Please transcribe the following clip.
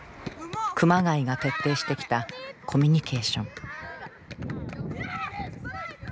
熊谷が徹底してきたコミュニケーション。